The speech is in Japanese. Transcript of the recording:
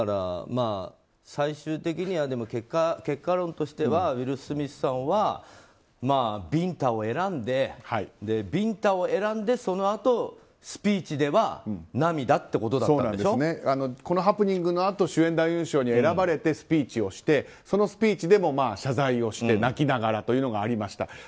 最終的には結果論としてはウィル・スミスさんはビンタを選んでそのあと、スピーチではこのハプニングのあと主演男優賞に選ばれてスピーチをしてそのスピーチでも謝罪をして泣きながらというのがありました。